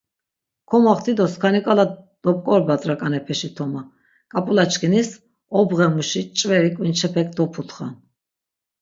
Komoxti do skani k̆ala dop̆k̆orobat rak̆anepeşi toma, k̆ap̆ula çkinis obğe muşi ç̌veri k̆vinçepek doputxan.